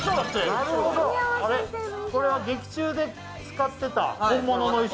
これは劇中で使ってた本物の衣装